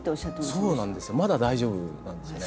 そうなんですよまだ大丈夫なんですよね。